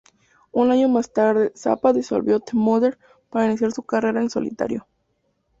Un año más tarde, Zappa disolvió The Mothers para iniciar su carrera en solitario.